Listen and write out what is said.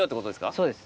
そうです。